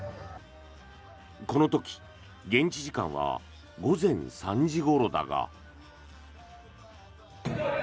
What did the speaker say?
この時、現地時間は午前３時ごろだが。